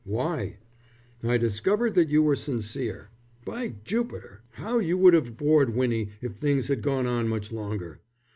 "Why?" "I discovered that you were sincere. By Jupiter, how you would have bored Winnie if things had gone on much longer!